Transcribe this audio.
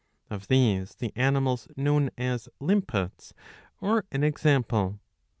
Of these the animals known as limpets are an example.